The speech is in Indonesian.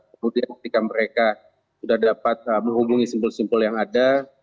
kemudian diaktifkan mereka sudah dapat menghubungi simbol simbol yang ada